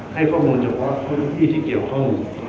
ให้ข้อมูลเฉพาะที่เกี่ยวของ